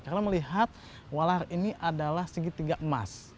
karena melihat walahar ini adalah segitiga emas